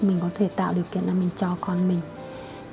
mình có thể tạo điều kiện cho mình cho con mình